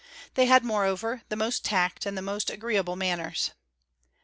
They had, moreover, the most tact and the most agreeable manners.